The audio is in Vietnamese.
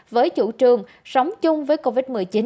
với chủ trương sống chung với covid một mươi chín